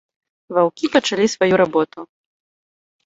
Ваўкі пачалі сваю работу.